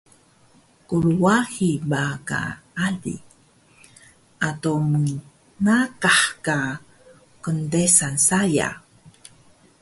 Krwahi ba ka ali, ado mnaqah ka kndesan saya